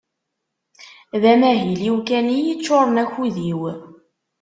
D amahil-iw kan iyi-ččuren akud-iw.